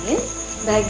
ini paling enak